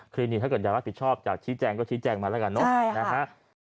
ถ้าเกิดอยากรับผิดชอบอยากชี้แจงก็ชี้แจงมาแล้วกันเนอะนะฮะ